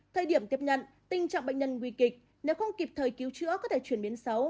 thời điểm tiếp nhận tình trạng bệnh nhân nguy kịch nếu không kịp thời cứu chữa có thể chuyển biến xấu